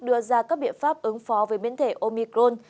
đưa ra các biện pháp ứng phó với biến thể omicron